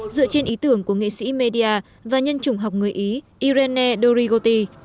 dựa trên ý tưởng của nghệ sĩ media và nhân chủng học người ý irene dorigoti